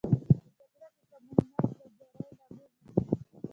په جګړه کې که موړ نس د بري لامل نه شي.